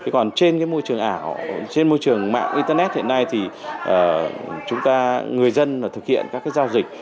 còn trên môi trường ảo trên môi trường mạng internet hiện nay thì chúng ta người dân thực hiện các giao dịch